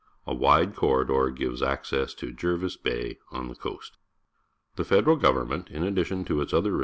A wide corridor gives access to Jervis Bay on the coast. The federal government, in addition to its other re!?